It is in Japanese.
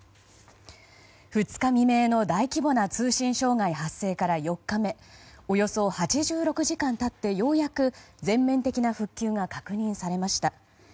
２日未明の大規模な通信障害発生から４日目およそ８６時間経ってようやく全面的な復旧が確認されました。